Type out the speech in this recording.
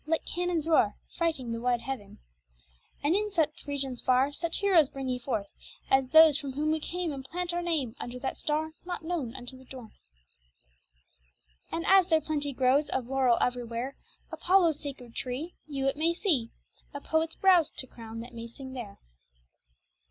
Let cannons roar, Frighting the wide heaven; And in regions far Such heroes bring ye forth As those from whom we came, And plant our name Under that star Not known unto our North; And as there plenty grows Of laurel everywhere, Apollo's sacred tree, You it may see, A poet's brows To crown, that may sing there.